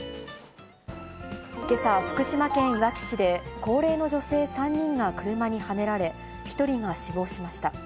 けさ、福島県いわき市で、高齢の女性３人が車にはねられ、１人が死亡しました。